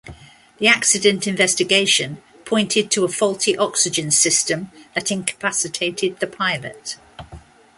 The accident investigation pointed to a faulty oxygen system that incapacitated the pilot.